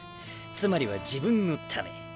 つまりは自分のため。